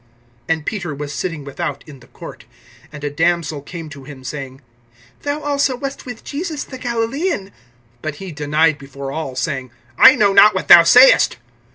(69)And Peter was sitting without, in the court. And a damsel came to him, saying: Thou also wast with Jesus the Galilaean. (70)But he denied before all, saying: I know not what thou sayest.